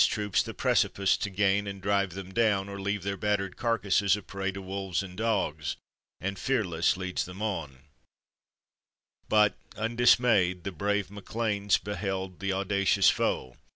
trip. The precipice to Kain and drive them down Or leave their batter'd carcas.e. a prey To wolves and dogs, ftnd fearle... lead, them on But, undismayM, the brave MaeLcan. beheld ' Th audacious foe.